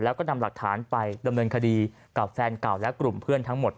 แล้วก็นำหลักฐานไปดำเนินคดีกับแฟนเก่าและกลุ่มเพื่อนทั้งหมด